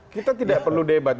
kita tidak perlu debat